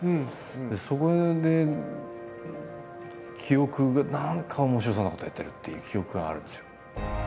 そこで記憶が何か面白そうなことをやってるっていう記憶があるんですよ。